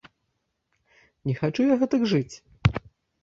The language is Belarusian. Не хачу я гэтак жыць!